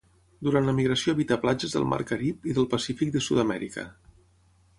Durant la migració habita platges del Mar Carib, i del Pacífic de Sud-amèrica.